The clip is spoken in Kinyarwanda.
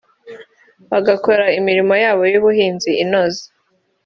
bagakora imirimo yabo y’ubuhinzi inoze